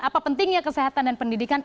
apa pentingnya kesehatan dan pendidikan